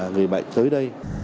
người bệnh tới đây